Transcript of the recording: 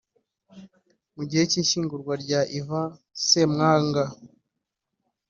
Mu gihe cy’ishyingurwa rya Ivan Ssemwanga